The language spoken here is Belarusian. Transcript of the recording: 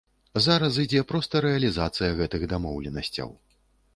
Зараз ідзе проста рэалізацыя гэтых дамоўленасцяў.